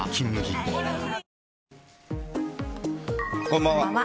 こんばんは。